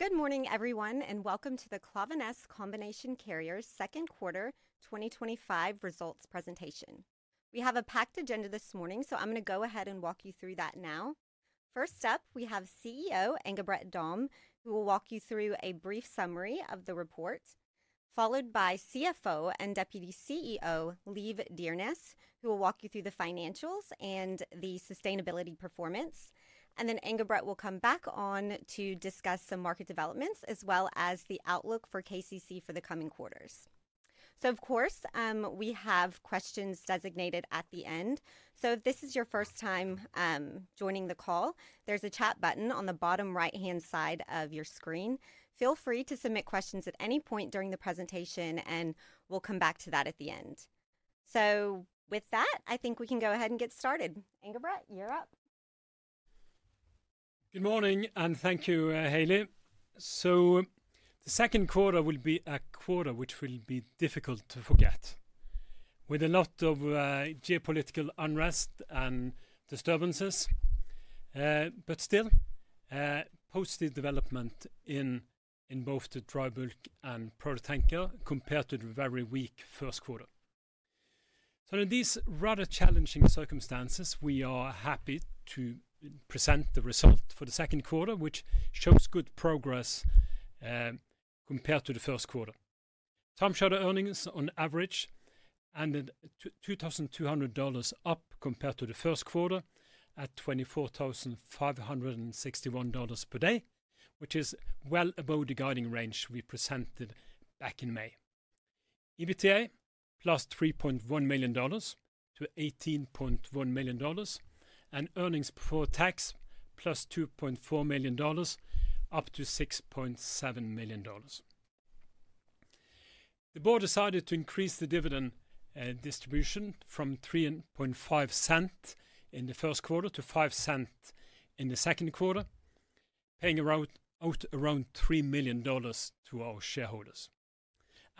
Good morning, everyone, and welcome to the Klaveness Combination Carriers Second Quarter 2025 Results Presentation. We have a packed agenda this morning, so I'm going to go ahead and walk you through that now. First up, we have CEO Engebret Dahm, who will walk you through a brief summary of the report, followed by CFO and Deputy CEO Liv Dyrnes, who will walk you through the financials and the sustainability performance. Engebret will come back on to discuss some market developments as well as the outlook for KCC for the coming quarters. Of course, we have questions designated at the end. If this is your first time joining the call, there's a chat button on the bottom right-hand side of your screen. Feel free to submit questions at any point during the presentation, and we'll come back to that at the end. With that, I think we can go ahead and get started. Engebret, you're up. Good morning, and thank you, Haley. The second quarter will be a quarter which will be difficult to forget, with a lot of geopolitical unrest and disturbances. Still, positive development in both the dry bulk and product tanker compared to the very weak first quarter. In these rather challenging circumstances, we are happy to present the result for the second quarter, which shows good progress compared to the first quarter. Time charter earnings on average $2,200 up compared to the first quarter at $24,561 per day, which is well above the guiding range we presented back in May. EBITDA +$3.1 million to $18.1 million, and earnings before tax +$2.4 million up to $6.7 million. The Board decided to increase the dividend distribution from $0.035 in the first quarter to $0.05 in the second quarter, paying out around $3 million to our shareholders.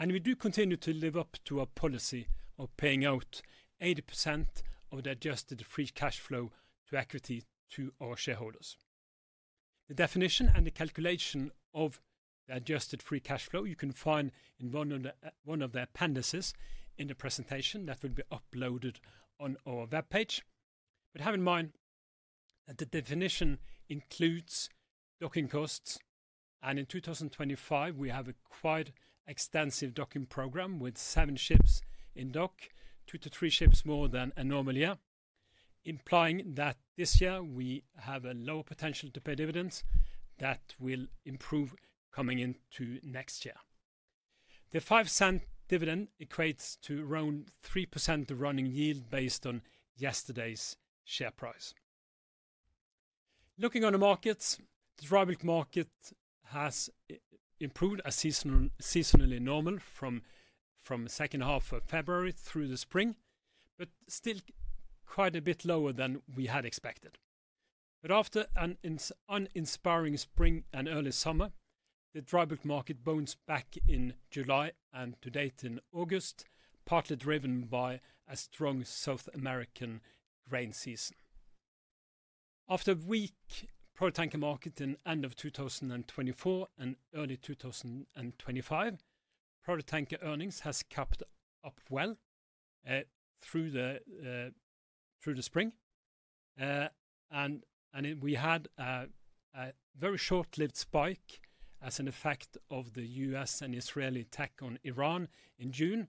We do continue to live up to our policy of paying out 80% of the adjusted free cash flow to equity to our shareholders. The definition and the calculation of the adjusted free cash flow you can find in one of the appendices in the presentation that will be uploaded on our web page. Have in mind that the definition includes docking costs, and in 2025, we have a quite extensive docking program with seven ships in dock, two to three ships more than a normal year, implying that this year we have a lower potential to pay dividends that will improve coming into next year. The $0.05 dividend equates to around 3% of the running yield based on yesterday's share price. Looking on the markets, the dry bulk market has improved as seasonally normal from the second half of February through the spring, but still quite a bit lower than we had expected. After an uninspiring spring and early summer, the dry bulk market bounced back in July and to date in August, partly driven by a strong South American grain season. After a weak product tanker market in the end of 2024 and early 2025, product tanker earnings have kept up well through the spring. We had a very short-lived spike as an effect of the U.S. and Israeli attack on Iran in June,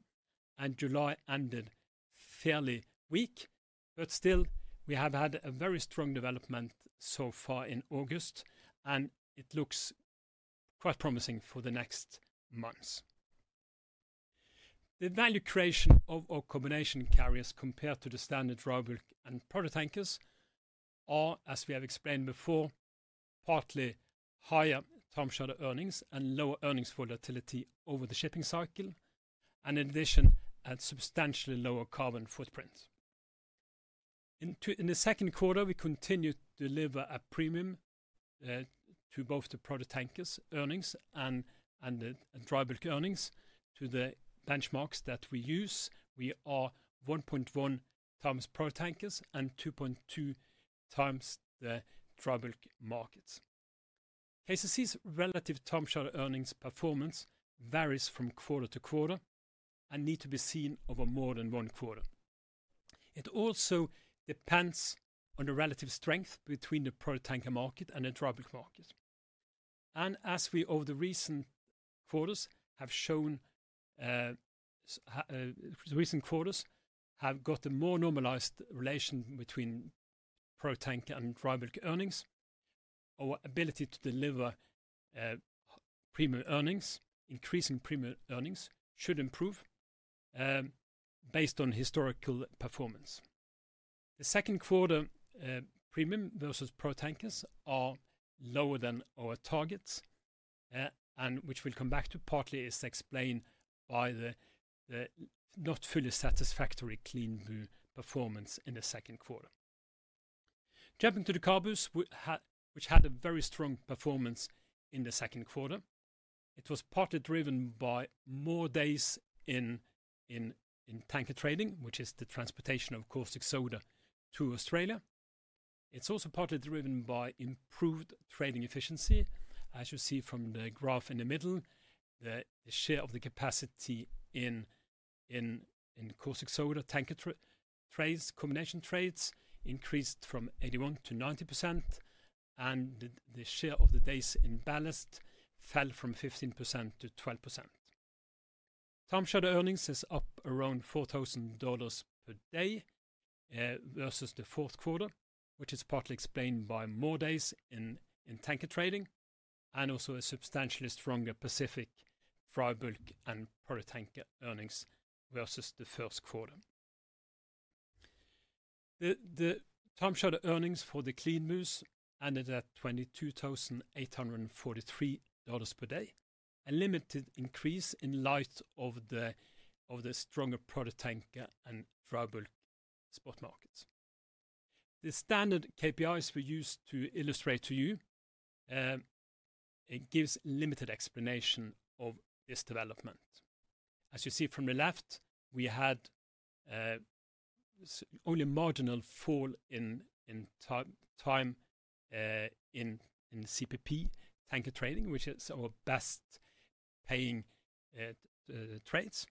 and July ended fairly weak. Still, we have had a very strong development so far in August, and it looks quite promising for the next months. The value creation of our combination carriers compared to the standard dry bulk and product tankers are, as we have explained before, partly higher time charter earnings and lower earnings volatility over the shipping cycle, and in addition, a substantially lower carbon footprint. In the second quarter, we continue to deliver a premium to both the product tankers earnings and the dry bulk earnings. To the benchmarks that we use, we are 1.1x product tankers and 2.2x the dry bulk markets. KCC's relative time charter earnings performance varies from quarter to quarter and need to be seen over more than one quarter. It also depends on the relative strength between the product tanker market and the dry bulk market. As we, over the recent quarters, have shown, the recent quarters have got a more normalized relation between product tanker and dry bulk earnings. Our ability to deliver premium earnings, increasing premium earnings, should improve based on historical performance. The second quarter premium versus product tankers are lower than our targets, which we'll come back to, partly is explained by the not fully satisfactory CLEANBU performance in the second quarter. Jumping to the CABUs, which had a very strong performance in the second quarter, it was partly driven by more days in tanker trading, which is the transportation of caustic soda to Australia. It's also partly driven by improved trading efficiency, as you see from the graph in the middle. The share of the capacity in caustic soda tanker trades, combination trades, increased from 81% to 90%, and the share of the days in ballast fell from 15% to 12%. Time charter earnings is up around $4,000 per day versus the fourth quarter, which is partly explained by more days in tanker trading and also a substantially stronger Pacific, dry bulk, and product tanker earnings versus the first quarter. The time charter earnings for the CLEANBU ended at $22,843 per day, a limited increase in light of the stronger product tanker and dry bulk spot markets. The standard KPIs we used to illustrate to you give a limited explanation of this development. As you see from the left, we had only a marginal fall in time in CPP tanker trading, which is our best paying trades,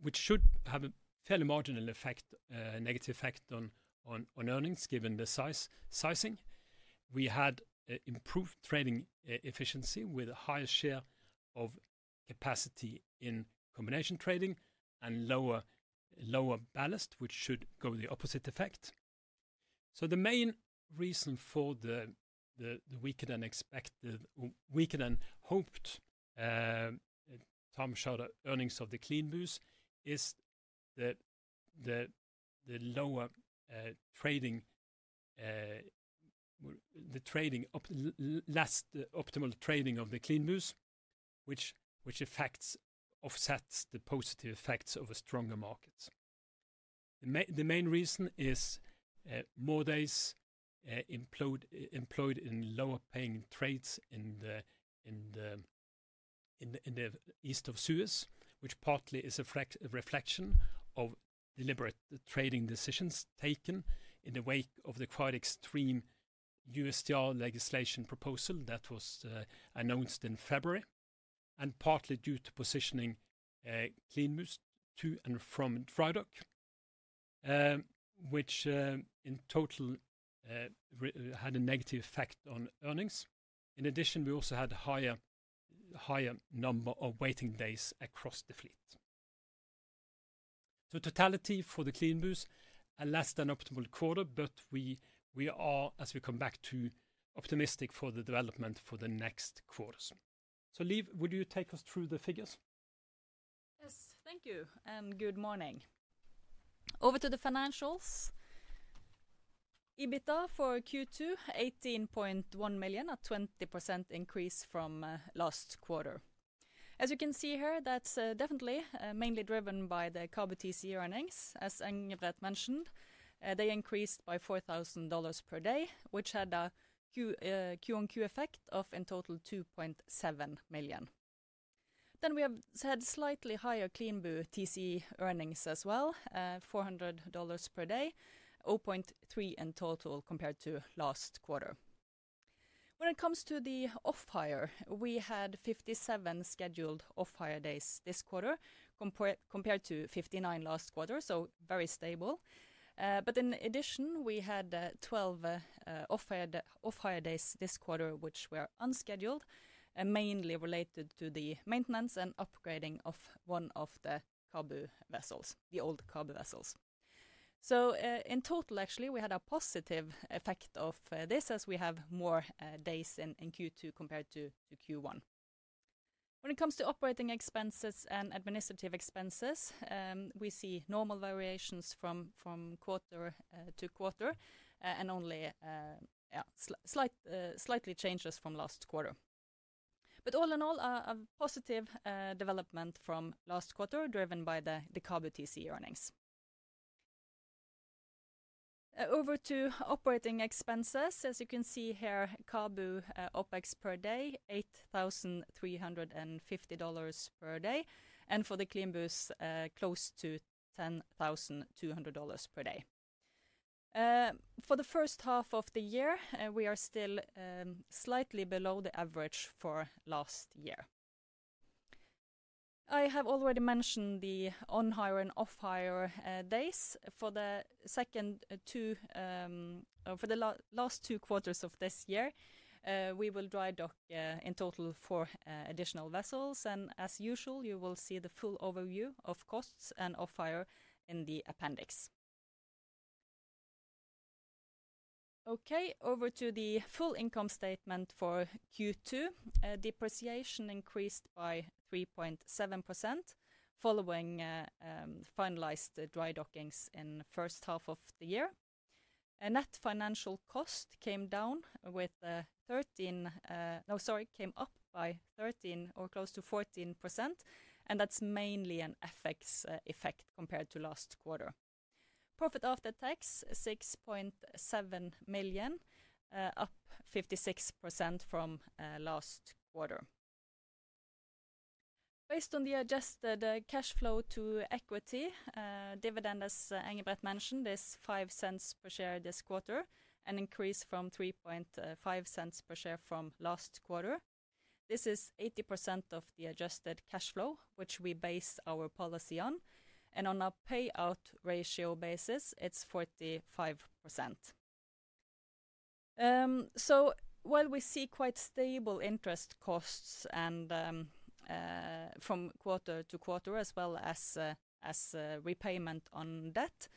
which should have a fairly marginal effect, a negative effect on earnings given the sizing. We had improved trading efficiency with a higher share of capacity in combination trading and lower ballast, which should go the opposite effect. The main reason for the weaker than expected, weaker than hoped, time charter earnings of the CLEANBUs is the lower trading, the less optimal trading of the CLEANBUs, which offsets the positive effects of a stronger market. The main reason is more days employed in lower paying trades in the East of Suez, which partly is a reflection of deliberate trading decisions taken in the wake of the quite extreme USTR legislation proposal that was announced in February, and partly due to positioning CLEANBUs to and from dry bulk, which in total had a negative effect on earnings. In addition, we also had a higher number of waiting days across the fleet. In totality for the CLEANBUs, a less than optimal quarter, but we are, as we come back to, optimistic for the development for the next quarters. Liv, would you take us through the figures? Yes, thank you, and good morning. Over to the financials. EBITDA for Q2, $18.1 million, a 20% increase from last quarter. As you can see here, that's definitely mainly driven by the CABU TCE earnings. As Engebret mentioned, they increased by $4,000 per day, which had a Q on Q effect of in total $2.7 million. We have had slightly higher CLEANBU TCE earnings as well, $400 per day, $0.3 million in total compared to last quarter. When it comes to the off-hire, we had 57 scheduled off-hire days this quarter compared to 59 last quarter, so very stable. In addition, we had 12 off-hire days this quarter which were unscheduled, mainly related to the maintenance and upgrading of one of the CABU vessels, the old CABU vessels. In total, actually, we had a positive effect of this as we have more days in Q2 compared to Q1. When it comes to operating expenses and administrative expenses, we see normal variations from quarter to quarter and only slight changes from last quarter. All in all, a positive development from last quarter driven by the CABU TCE earnings. Over to operating expenses, as you can see here, CABU OpEx per day, $8,350 per day, and for the CLEANBUs, close to $10,200 per day. For the first half of the year, we are still slightly below the average for last year. I have already mentioned the on-hire and off-hire days. For the last two quarters of this year, we will dry dock in total four additional vessels. As usual, you will see the full overview of costs and off-hire in the appendix. Over to the full income statement for Q2. Depreciation increased by 3.7% following finalized dry dockings in the first half of the year. Net finance costs came up by 13% or close to 14%, and that's mainly an FX effect compared to last quarter. Profit after tax, $6.7 million, up 56% from last quarter. Based on the adjusted cash flow to equity, dividend, as Engebret mentioned, is $0.05 per share this quarter, an increase from $0.035 per share from last quarter. This is 80% of the adjusted cash flow to equity, which we base our policy on. On a payout ratio basis, it's 45%. While we see quite stable interest costs from quarter to quarter, as well as repayment on debt,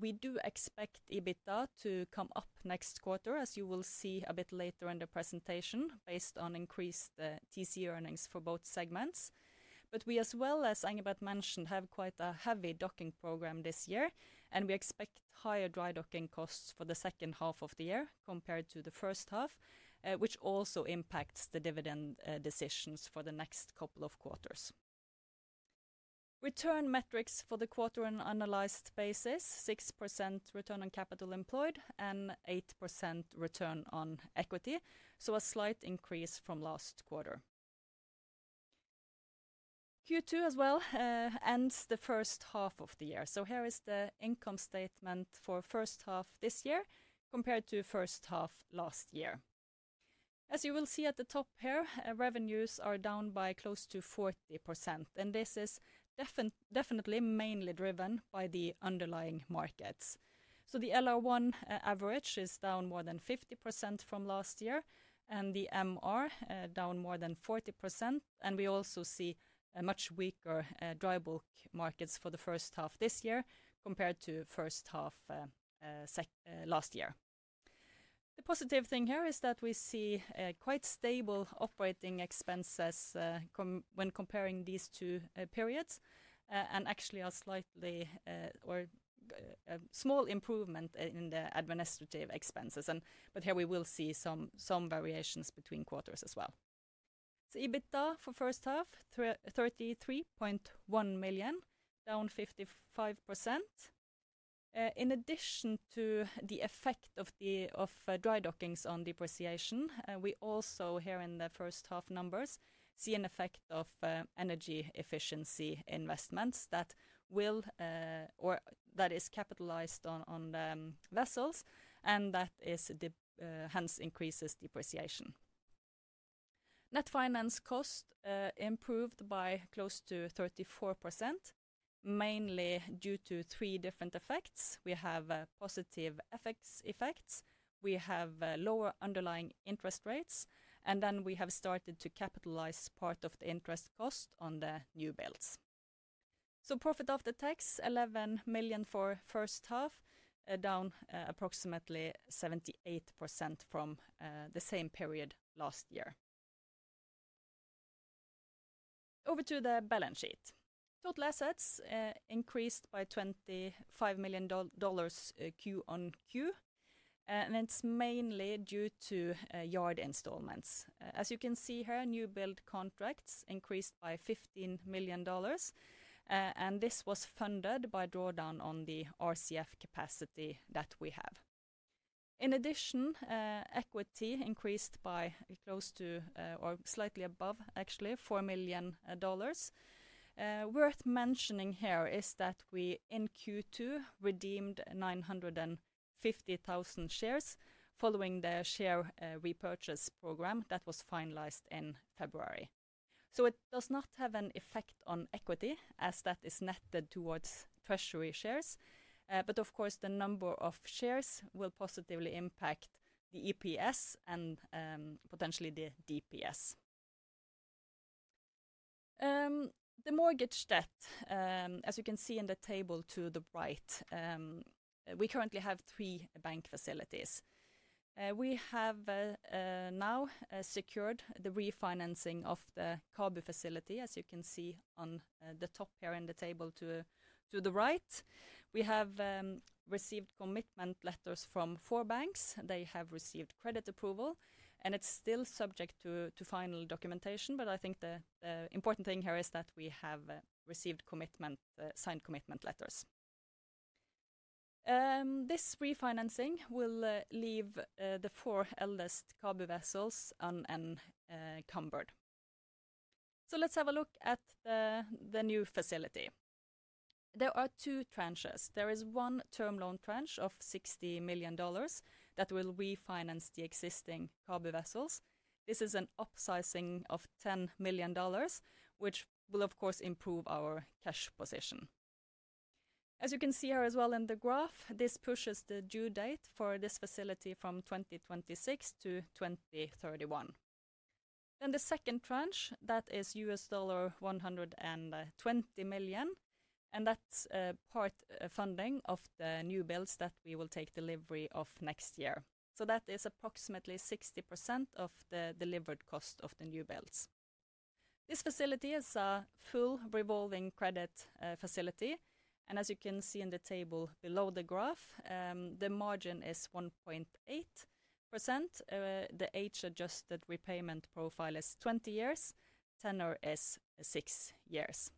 we do expect EBITDA to come up next quarter, as you will see a bit later in the presentation, based on increased TCE earnings for both segments. We, as well as Engebret mentioned, have quite a heavy docking program this year, and we expect higher dry docking costs for the second half of the year compared to the first half, which also impacts the dividend decisions for the next couple of quarters. Return metrics for the quarter on an annualized basis, 6% return on capital employed and 8% return on equity, so a slight increase from last quarter. Q2 as well ends the first half of the year. Here is the income statement for first half this year compared to first half last year. As you will see at the top here, revenues are down by close to 40%, and this is definitely mainly driven by the underlying markets. The LR1 average is down more than 50% from last year, and the MR down more than 40%. We also see much weaker dry bulk markets for the first half this year compared to first half last year. The positive thing here is that we see quite stable operating expenses when comparing these two periods, and actually a slightly small improvement in the administrative expenses. Here we will see some variations between quarters as well. EBITDA for first half, $33.1 million, down 55%. In addition to the effect of dry dockings on depreciation, we also here in the first half numbers see an effect of energy efficiency investments that will, or that is capitalized on the vessels, and that hence increases depreciation. Net finance cost improved by close to 34%, mainly due to three different effects. We have positive FX effects, we have lower underlying interest rates, and then we have started to capitalize part of the interest cost on the newbuilds. Profit after tax, $11 million for first half, down approximately 78% from the same period last year. Over to the balance sheet. Total assets increased by $25 million Q on Q, and it's mainly due to yard installments. As you can see here, newbuild contracts increased by $15 million, and this was funded by drawdown on the RCF capacity that we have. In addition, equity increased by close to, or slightly above, actually, $4 million. Worth mentioning here is that we in Q2 redeemed 950,000 shares following the share repurchase program that was finalized in February. It does not have an effect on equity as that is netted towards treasury shares, but of course the number of shares will positively impact the EPS and potentially the DPS. The mortgage debt, as you can see in the table to the right, we currently have three bank facilities. We have now secured the refinancing of the CABU facility, as you can see on the top here in the table to the right. We have received commitment letters from four banks. They have received credit approval, and it's still subject to final documentation, but I think the important thing here is that we have received signed commitment letters. This refinancing will leave the four eldest CABU vessels unencumbered. Let's have a look at the new facility. There are two tranches. There is one term loan tranche of $60 million that will refinance the existing CABU vessels. This is an upsizing of $10 million, which will of course improve our cash position. As you can see here as well in the graph, this pushes the due date for this facility from 2026 to 2031. The second tranche is $120 million, and that's part funding of the newbuilds that we will take delivery of next year. That is approximately 60% of the delivered cost of the newbuilds. This facility is a full revolving credit facility, and as you can see in the table below the graph, the margin is 1.8%. The age-adjusted repayment profile is 20 years, tenor is six years.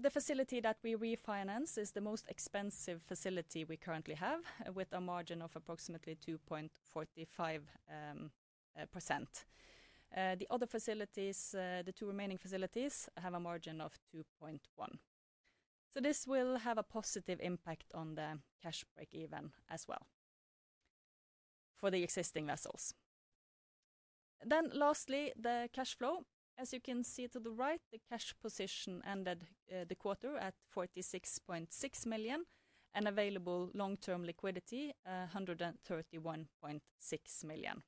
The facility that we refinance is the most expensive facility we currently have with a margin of approximately 2.45%. The other facilities, the two remaining facilities, have a margin of 2.1%. This will have a positive impact on the cash break even as well for the existing vessels. Lastly, the cash flow. As you can see to the right, the cash position ended the quarter at $46.6 million and available long-term liquidity $131.6 million.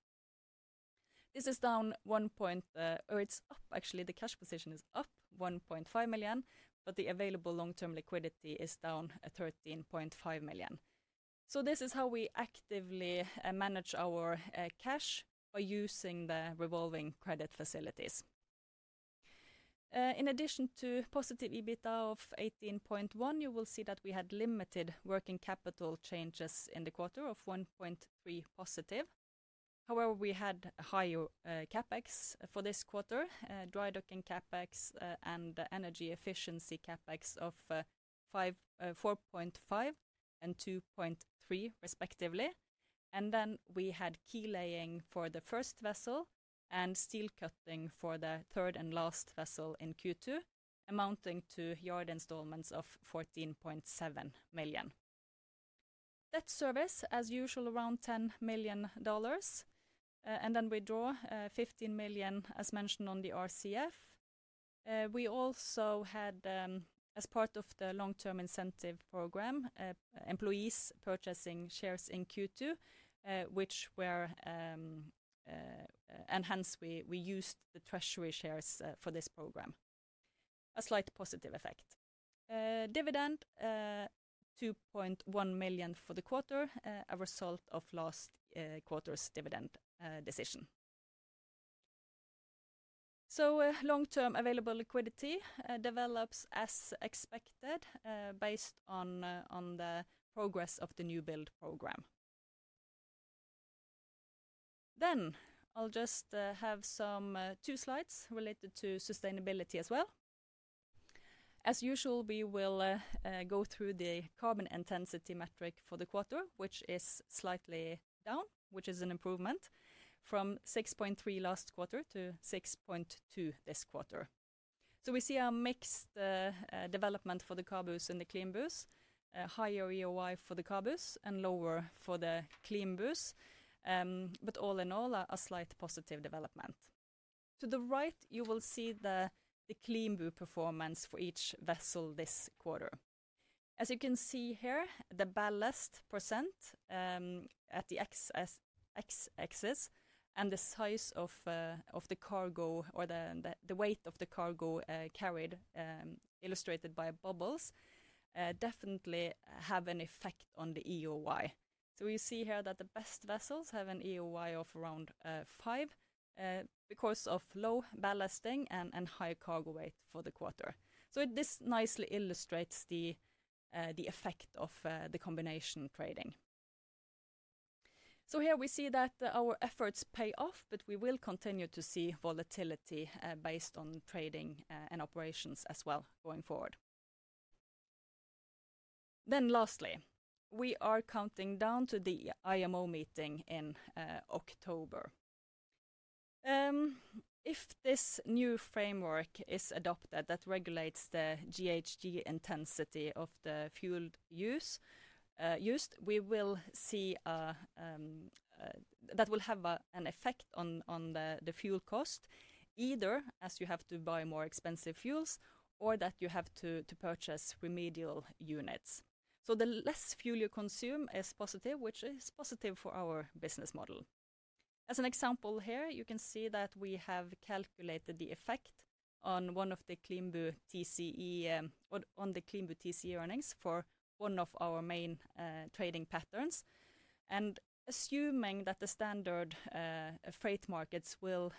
This is down. It's up, actually, the cash position is up $1.5 million, but the available long-term liquidity is down $13.5 million. This is how we actively manage our cash by using the revolving credit facilities. In addition to positive EBITDA of $18.1 million, you will see that we had limited working capital changes in the quarter of $1.3 million positive. However, we had a higher CapEx for this quarter, dry docking CapEx and energy efficiency CapEx of $4.5 million and $2.3 million respectively. We had key laying for the first vessel and steel cutting for the third and last vessel in Q2, amounting to yard installments of $14.7 million. Debt service, as usual, around $10 million, and we draw $15 million, as mentioned on the RCF. We also had, as part of the long-term incentive program, employees purchasing shares in Q2, which were, and hence we used the treasury shares for this program, a slight positive effect. Dividend $2.1 million for the quarter, a result of last quarter's dividend decision. Long-term available liquidity develops as expected based on the progress of the newbuild program. I will just have two slides related to sustainability as well. As usual, we will go through the carbon intensity metric for the quarter, which is slightly down, which is an improvement from 6.3% last quarter to 6.2% this quarter. We see a mixed development for the CABUs and the CLEANBUs, a higher EEOI for the CABUs and lower for the CLEANBUs, but all in all a slight positive development. To the right, you will see the CLEANBU performance for each vessel this quarter. As you can see here, the ballast percent at the X axis and the size of the cargo or the weight of the cargo carried, illustrated by bubbles, definitely have an effect on the EEOI. You see here that the best vessels have an EEOI of around 5 because of low ballasting and high cargo weight for the quarter. This nicely illustrates the effect of the combination trading. Here we see that our efforts pay off, but we will continue to see volatility based on trading and operations as well going forward. Lastly, we are counting down to the IMO meeting in October. If this new framework is adopted that regulates the GHG intensity of the fuel used, we will see that will have an effect on the fuel cost, either as you have to buy more expensive fuels or that you have to purchase remedial units. The less fuel you consume is positive, which is positive for our business model. As an example here, you can see that we have calculated the effect on one of the CLEANBU TCE earnings for one of our main trading patterns. Assuming that the standard freight markets will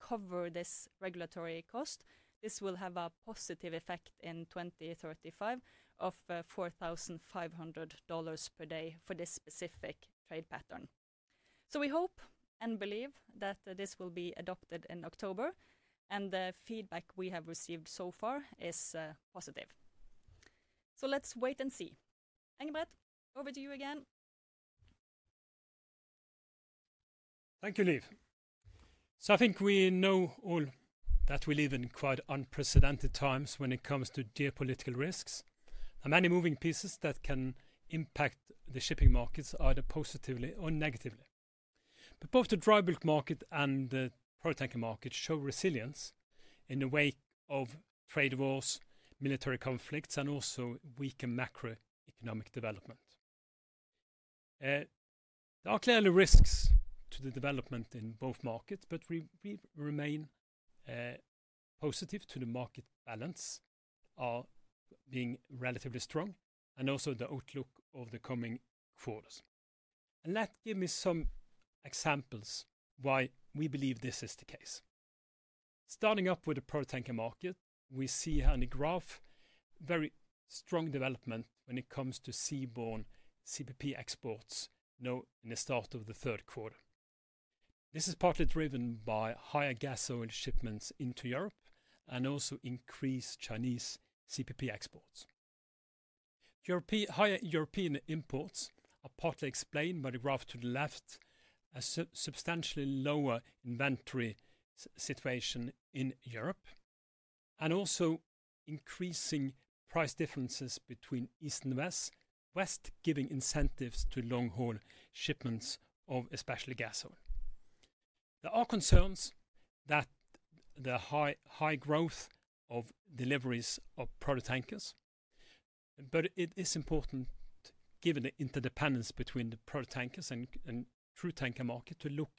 cover this regulatory cost, this will have a positive effect in 2035 of $4,500 per day for this specific trade pattern. We hope and believe that this will be adopted in October, and the feedback we have received so far is positive. Let's wait and see. Engebret, over to you again. Thank you, Liv. I think we know all that we live in quite unprecedented times when it comes to geopolitical risks, and many moving pieces that can impact the shipping markets either positively or negatively. Both the dry bulk market and the product tanker market show resilience in the wake of trade wars, military conflicts, and also weaker macroeconomic development. There are clearly risks to the development in both markets, but we remain positive to the market balance being relatively strong and also the outlook of the coming quarters. Let's give you some examples of why we believe this is the case. Starting up with the product tanker market, we see here in the graph a very strong development when it comes to seaborne CPP exports in the start of the third quarter. This is partly driven by higher gas oil shipments into Europe and also increased Chinese CPP exports. Higher European imports are partly explained by the graph to the left, a substantially lower inventory situation in Europe, and also increasing price differences between East and West, giving incentives to long-haul shipments of especially gas oil. There are concerns about the high growth of deliveries of product tankers, but it is important given the interdependence between the product tankers and crude tanker market to look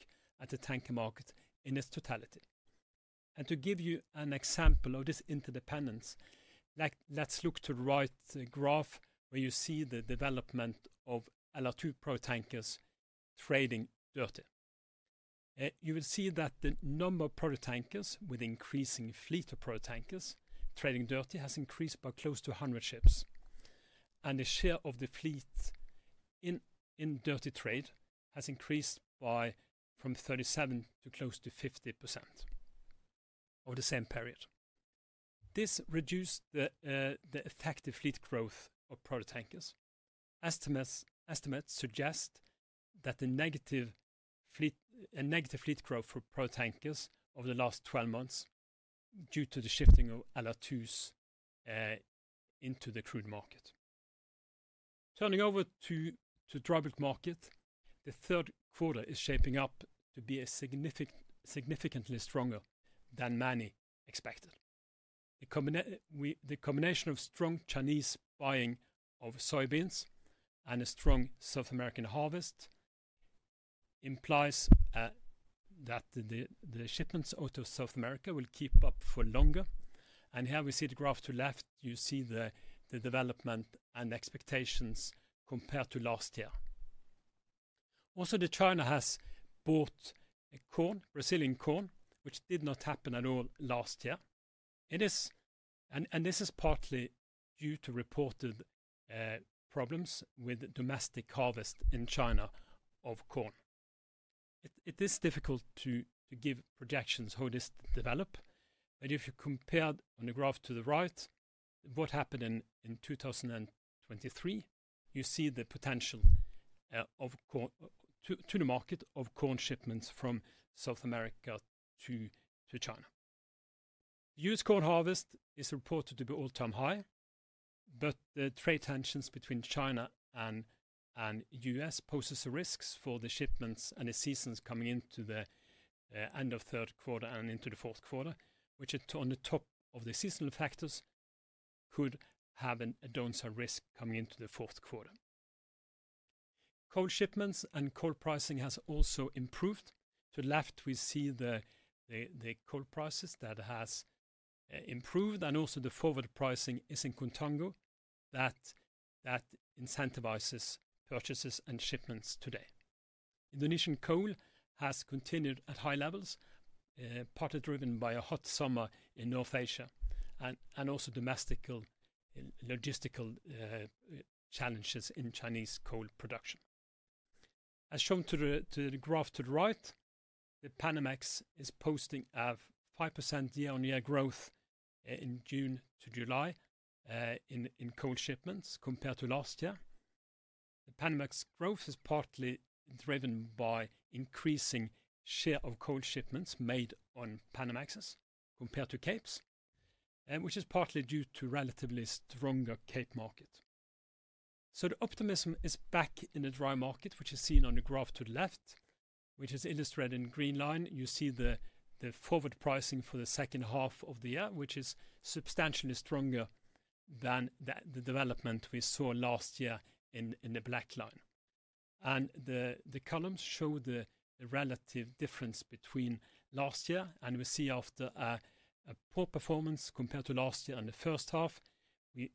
at the tanker market in its totality. To give you an example of this interdependence, look to the right graph where you see the development of LR2 product tankers trading dirty. You will see that the number of product tankers with increasing fleet of product tankers trading dirty has increased by close to 100 ships, and the share of the fleet in dirty trade has increased from 37% to close to 50% over the same period. This reduced the effective fleet growth of product tankers. Estimates suggest a negative fleet growth for product tankers over the last 12 months due to the shifting of LR2s into the crude market. Turning over to the dry bulk market, the third quarter is shaping up to be significantly stronger than many expected. The combination of strong Chinese buying of soybeans and a strong South American harvest implies that the shipments out of South America will keep up for longer. Here we see the graph to the left, you see the development and expectations compared to last year. Also, China has bought corn, Brazilian corn, which did not happen at all last year. This is partly due to reported problems with domestic harvest in China of corn. It is difficult to give projections how this developed. If you compare on the graph to the right, what happened in 2023, you see the potential to the market of corn shipments from South America to China. Used corn harvest is reported to be all-time high, but the trade tensions between China and the U.S. pose risks for the shipments and the seasons coming into the end of third quarter and into the fourth quarter, which are on the top of the seasonal factors, could have a downside risk coming into the fourth quarter. Coal shipments and coal pricing has also improved. To the left, we see the coal prices that have improved, and also the forward pricing is in contango that incentivizes purchases and shipments today. Indonesian coal has continued at high levels, partly driven by a hot summer in North Asia and also domestic logistical challenges in Chinese coal production. As shown to the graph to the right, the Panamax is posting a 5% year-on-year growth in June to July in coal shipments compared to last year. The Panamax growth is partly driven by increasing share of coal shipments made on Panamaxes compared to Capes, which is partly due to a relatively stronger Cape market. The optimism is back in the dry market, which is seen on the graph to the left, which is illustrated in the green line. You see the forward pricing for the second half of the year, which is substantially stronger than the development we saw last year in the black line. The columns show the relative difference between last year, and we see after a poor performance compared to last year in the first half,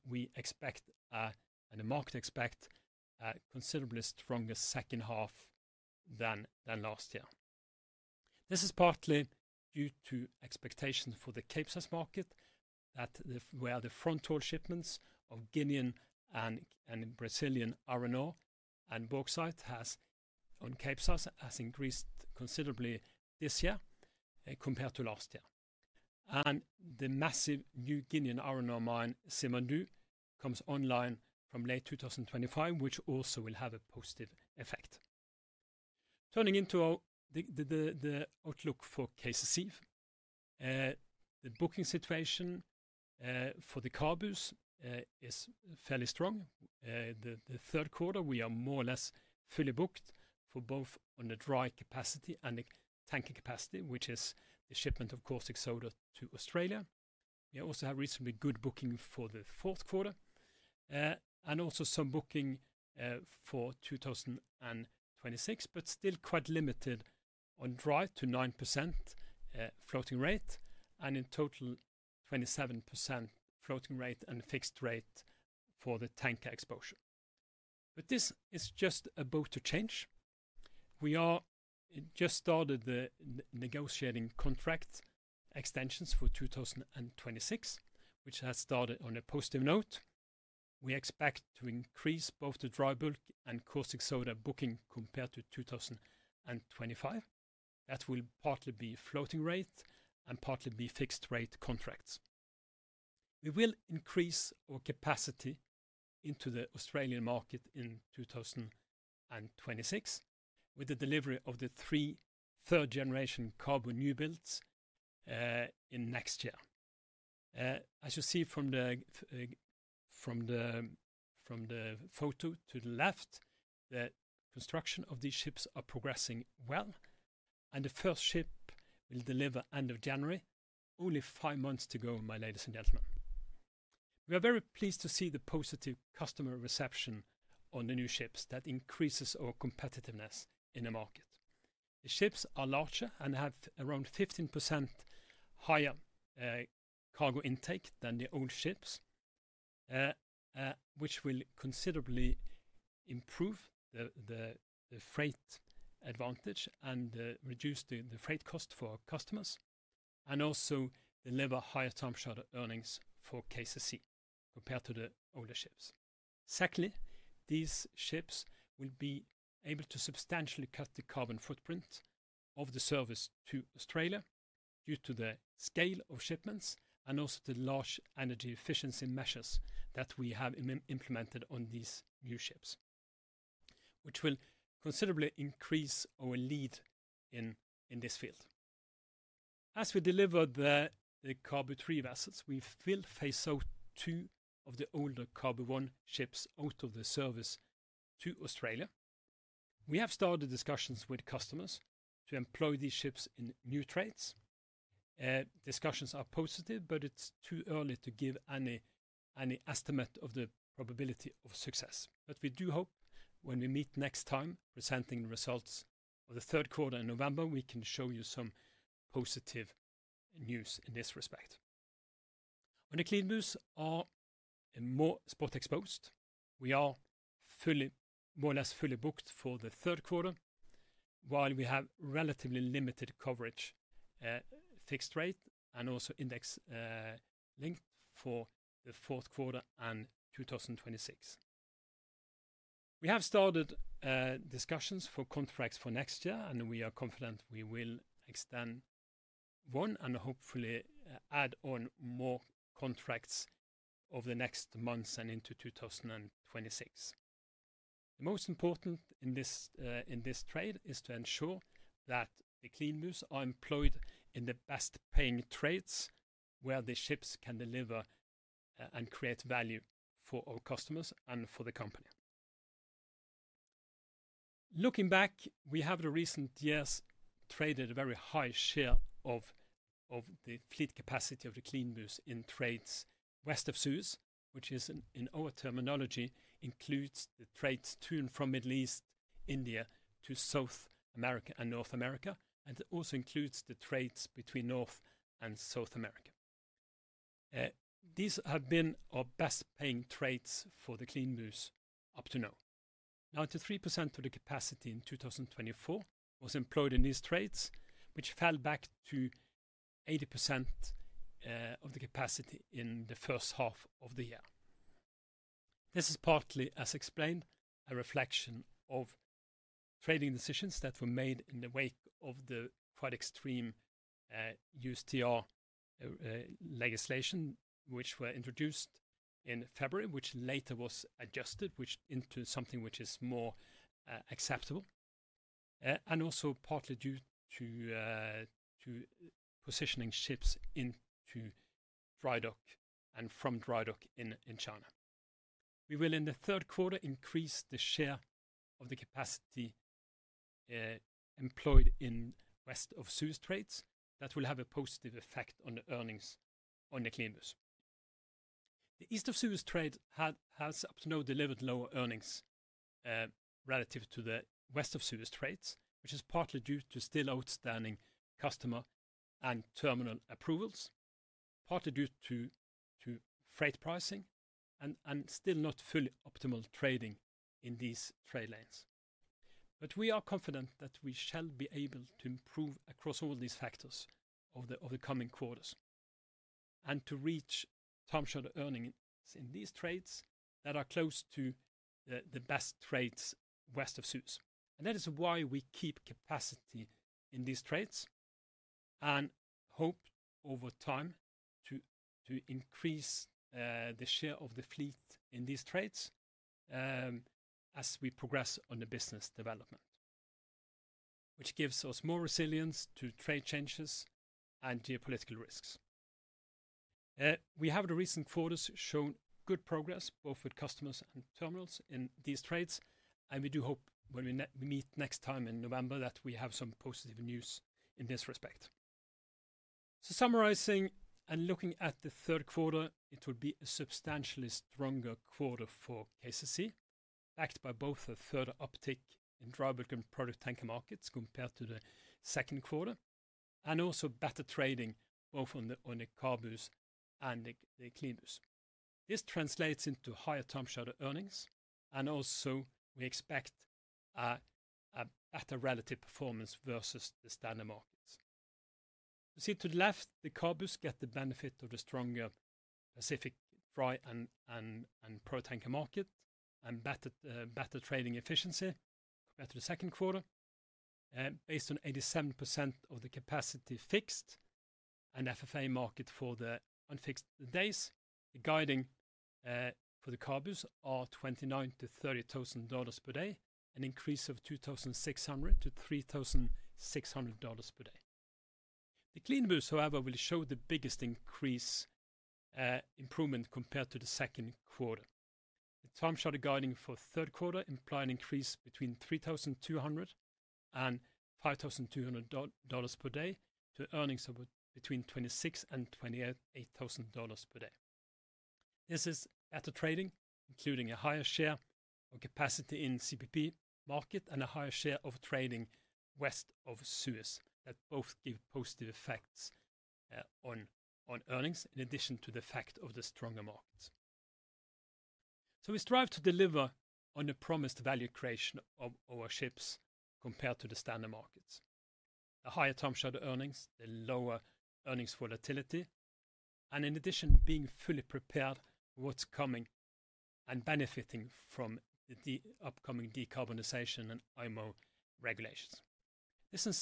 we expect, and the market expects, a considerably stronger second half than last year. This is partly due to expectations for the Cape South market, where the front door shipments of Guinean and Brazilian iron ore and bauxite on Cape South have increased considerably this year compared to last year. The massive new Guinean iron ore mine, Simandou, comes online from late 2025, which also will have a positive effect. Turning into the outlook for KCC, the booking situation for the CABUs is fairly strong. The third quarter, we are more or less fully booked for both on the dry capacity and the tanker capacity, which is the shipment of caustic soda to Australia. We also have reasonably good booking for the fourth quarter, and also some booking for 2026, but still quite limited on dry to 9% floating rate, and in total, 27% floating rate and fixed rate for the tanker exposure. This is just about to change. We just started the negotiating contract extensions for 2026, which has started on a positive note. We expect to increase both the dry bulk and caustic soda booking compared to 2025. That will partly be floating rate and partly be fixed rate contracts. We will increase our capacity into the Australian market in 2026 with the delivery of the three third-generation CABU newbuilds next year. As you see from the photo to the left, the construction of these ships is progressing well, and the first ship will deliver end of January, only five months to go, my ladies and gentlemen. We are very pleased to see the positive customer reception on the new ships that increases our competitiveness in the market. The ships are larger and have around 15% higher cargo intake than the old ships, which will considerably improve the freight advantage and reduce the freight cost for our customers, and also deliver higher time charter earnings for KCC compared to the older ships. Secondly, these ships will be able to substantially cut the carbon footprint of the service to Australia due to the scale of shipments and also the large energy efficiency measures that we have implemented on these new ships, which will considerably increase our lead in this field. As we deliver the CABU IIII vessels, we will phase out two of the older CABU I ships out of the service to Australia. We have started discussions with customers to employ these ships in new trades. Discussions are positive, but it's too early to give any estimate of the probability of success. We do hope when we meet next time, presenting the results of the third quarter in November, we can show you some positive news in this respect. On the CLEANBUs, are more spot exposed. We are fully, more or less fully booked for the third quarter, while we have relatively limited coverage, fixed rate, and also index linked for the fourth quarter and 2026. We have started discussions for contracts for next year, and we are confident we will extend one and hopefully add on more contracts over the next months and into 2026. The most important in this trade is to ensure that the CLEANBUs are employed in the best paying trades where the ships can deliver and create value for our customers and for the company. Looking back, we have in recent years traded a very high share of the fleet capacity of the CLEANBUs in trades West of Suez, which in our terminology includes the trades to and from the Middle East, India, to South America, and North America, and it also includes the trades between North and South America. These have been our best paying trades for the CLEANBUs up to now. 93% of the capacity in 2024 was employed in these trades, which fell back to 80% of the capacity in the first half of the year. This is partly, as explained, a reflection of trading decisions that were made in the wake of the quite extreme USTR legislation, which was introduced in February, which later was adjusted into something which is more acceptable, and also partly due to positioning ships into dry dock and from dry dock in China. We will, in the third quarter, increase the share of the capacity employed in West of Suez trades. That will have a positive effect on the earnings on the CLEANBUs. The East of Suez trade has up to now delivered lower earnings relative to the West of Suez trades, which is partly due to still outstanding customer and terminal approvals, partly due to freight pricing and still not fully optimal trading in these trade lanes. We are confident that we shall be able to improve across all these factors over the coming quarters and to reach time charter earnings in these trades that are close to the best trades West of Suez. That is why we keep capacity in these trades and hope over time to increase the share of the fleet in these trades as we progress on the business development, which gives us more resilience to trade changes and geopolitical risks. We have in recent quarters shown good progress both with customers and terminals in these trades, and we do hope when we meet next time in November that we have some positive news in this respect. Summarizing and looking at the third quarter, it will be a substantially stronger quarter for KCC, backed by both a further uptick in dry bulk and product tanker markets compared to the second quarter, and also better trading both on the CABUs and the CLEANBUs. This translates into higher time charter earnings and also we expect a better relative performance versus the standard markets. You see to the left, the CABUs get the benefit of the stronger Pacific dry and product tanker market and better trading efficiency, better the second quarter, based on 87% of the capacity fixed and FFA market for the unfixed days. The guiding for the CABUs are $29,000-$30,000 per day, an increase of $2,600-$3,600 per day. The CLEANBUs, however, will show the biggest increase, improvement compared to the second quarter. The time charter guiding for the third quarter implies an increase between $3,200 and $5,200 per day to earnings of between $26,000 and $28,000 per day. This is better trading, including a higher share of capacity in the CPP market and a higher share of trading West of Suez that both give positive effects on earnings in addition to the effect of the stronger markets. We strive to deliver on the promised value creation of our ships compared to the standard markets. The higher time charter earnings, the lower earnings volatility, and in addition, being fully prepared for what's coming and benefiting from the upcoming decarbonization and IMO regulations. This in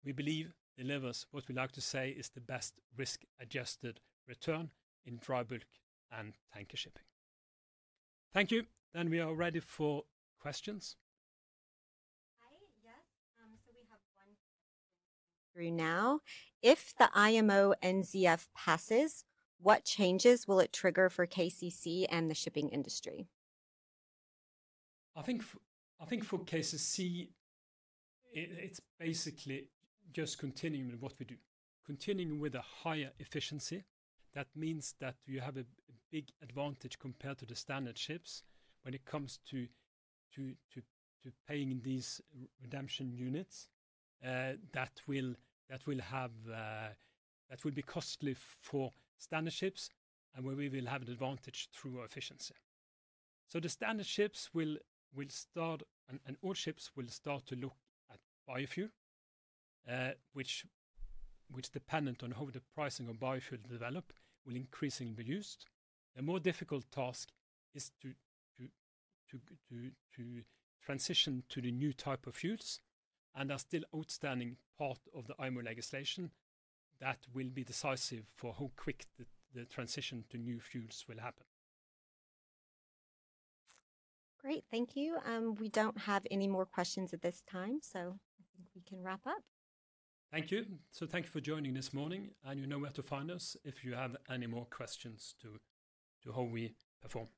sum, we believe delivers what we like to say is the best risk-adjusted return in dry bulk and tanker shipping. Thank you, and we are ready for questions. Hi, yes, we have one question through now. If the IMO NZF passes, what changes will it trigger for KCC and the shipping industry? I think for KCC, it's basically just continuing with what we do, continuing with a higher efficiency. That means that you have a big advantage compared to the standard ships when it comes to paying these redemption units. That will be costly for standard ships, and we will have an advantage through our efficiency. The standard ships will start, and all ships will start to look at biofuel, which, dependent on how the pricing of biofuel develops, will increasingly be used. The more difficult task is to transition to the new type of fuels, and there's still an outstanding part of the IMO legislation that will be decisive for how quick the transition to new fuels will happen. Great, thank you. We don't have any more questions at this time, so I think we can wrap up. Thank you. Thank you for joining this morning, and you know where to find us if you have any more questions to how we perform. Thank you.